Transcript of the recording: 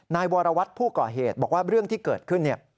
นายวรวัตรผู้ก่อเหตุบอกว่าเรื่องที่เกิดขึ้น